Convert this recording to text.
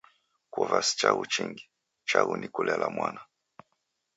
Kuva si chaghu chingi, chaghu ni kulela mwana.